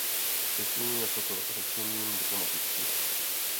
Řešení je proto řešením diplomatickým.